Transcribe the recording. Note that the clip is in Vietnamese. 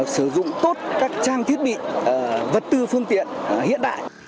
sử dụng tốt các trang thiết bị vật tư phương tiện hiện đại